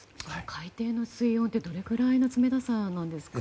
海底の水温ってどれぐらいの冷たさですか。